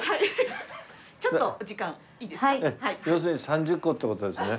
ちょっとお時間いいですか？